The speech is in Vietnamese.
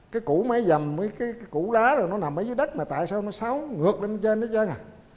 cái củ máy dầm với cái củ lá nó nằm dưới đất mà tại sao nó xáo ngược lên trên hết trơn à